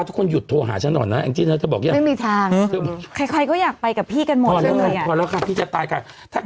ต้องดูแลตัวเองนะทุกคนที่ไปก็ต้องดูแลตัวเอง